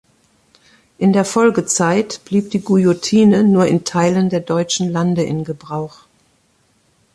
In der Folgezeit blieb die Guillotine nur in Teilen der deutschen Lande in Gebrauch.